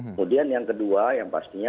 kemudian yang kedua yang pastinya